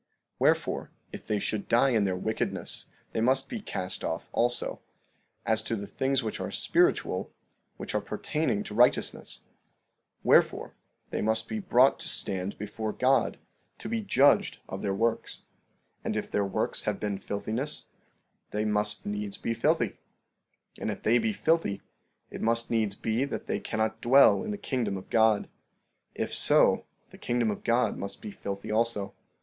15:33 Wherefore, if they should die in their wickedness they must be cast off also, as to the things which are spiritual, which are pertaining to righteousness; wherefore, they must be brought to stand before God, to be judged of their works; and if their works have been filthiness they must needs be filthy; and if they be filthy it must needs be that they cannot dwell in the kingdom of God; if so, the kingdom of God must be filthy also.